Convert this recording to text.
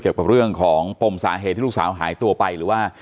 เกี่ยวกับเรื่องของปมสาเหตุที่ลูกสาวหายตัวไปหรือว่า